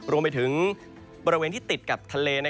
รวมไปถึงบริเวณที่ติดกับทะเล